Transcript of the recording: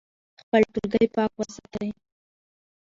خپل ټولګی پاک وساتئ.